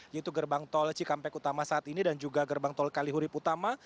yaitu gerbang tol cikampek utama saat ini dan juga gerbang tol kalihurip utama